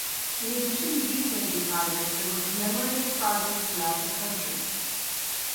In addition to these major projects there were commemorative projects throughout the country.